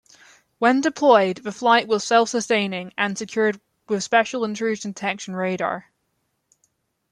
When deployed, the flight was self-sustaining, and secured with special intrusion detection radar.